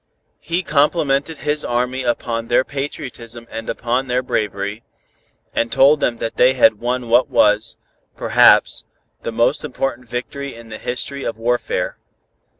He complimented his army upon their patriotism and upon their bravery, and told them that they had won what was, perhaps, the most important victory in the history of warfare.